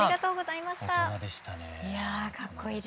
いやかっこいいです。